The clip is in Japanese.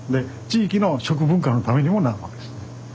地域の食文化のためにもなるわけです。